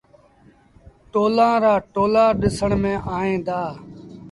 ٽولآن رآ ٽولآ ڏسڻ ميݩ ائيٚݩ دآ۔